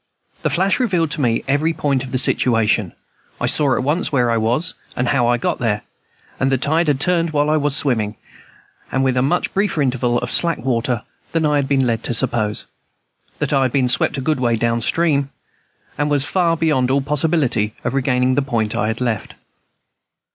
The flash revealed to me every point of the situation. I saw at once where I was, and how I got there: that the tide had turned while I was swimming, and with a much briefer interval of slack water than I had been led to suppose, that I had been swept a good way down stream, and was far beyond all possibility of regaining the point I had left.